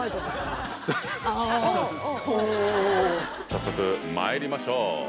早速まいりましょう。